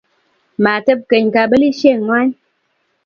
mateb keny kabelisieng'wany.